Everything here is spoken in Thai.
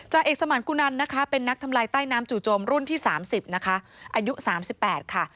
เอกสมานกุนันนะคะเป็นนักทำลายใต้น้ำจู่โจมรุ่นที่๓๐นะคะอายุ๓๘ค่ะ